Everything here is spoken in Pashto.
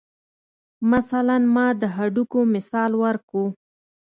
مثلاً ما د هډوکو مثال ورکو.